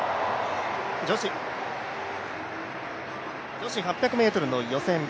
女子８００ｍの予選。